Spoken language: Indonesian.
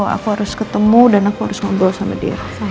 aku harus ketemu dan aku harus ngobrol sama dia